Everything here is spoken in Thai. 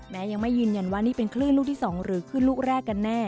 ยังไม่ยืนยันว่านี่เป็นคลื่นลูกที่๒หรือคลื่นลูกแรกกันแน่